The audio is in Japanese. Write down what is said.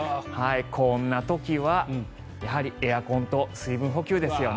こんな時は、やはりエアコンと水分補給ですよね。